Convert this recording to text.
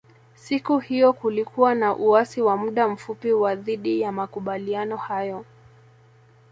Siku hiyo kulikuwa na uasi wa muda mfupi wa dhidi ya makubaliano hayo